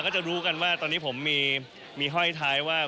ก็จะรู้กันว่าตอนนี้ผมมีห้อยท้ายว่า